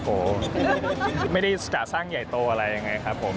โอ้โหไม่ได้จะสร้างใหญ่โตอะไรยังไงครับผม